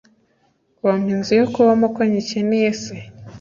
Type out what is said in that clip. Wampa inzu yo kubamo ko nyikeneye c